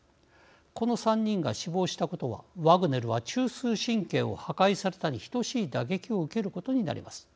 この３人が死亡したことはワグネルは中枢神経を破壊されたに等しい打撃を受けることになります。